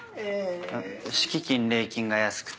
敷金礼金が安くて。